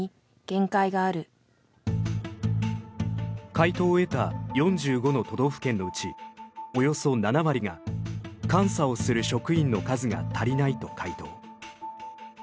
回答を得た４５の都道府県のうちおよそ７割が監査をする職員の数が足りないと回答。